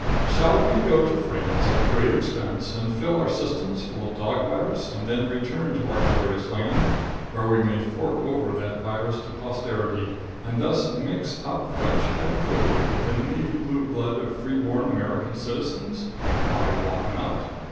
Shall we go to France at a great expense and fill our systems full of dog virus and then return to our glorious land, where we may fork over that virus to posterity and thus mix up French hydrophobia with the navy blue blood of free born American citizens? I wot not.